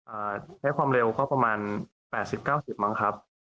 ใช้ความเร็วก็ประมาณแปดสิบเก้าสิบมั้งครับ